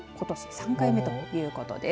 ３回目ということです。